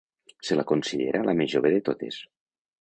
Se la considera la més jove de totes.